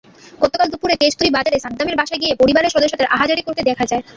গতকাল দুপুরে তেজতুরী বাজারে সাদ্দামের বাসায় গিয়ে পরিবারের সদস্যদের আহাজারি করতে দেখা যায়।